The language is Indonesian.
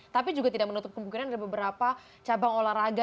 tapi juga tidak menutup kemungkinan ada beberapa cabang olahraga